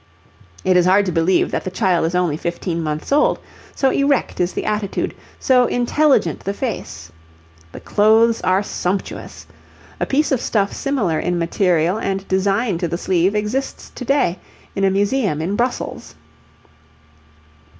It is hard to believe that the child is only fifteen months old, so erect is the attitude, so intelligent the face. The clothes are sumptuous. A piece of stuff similar in material and design to the sleeve exists to day in a museum in Brussels.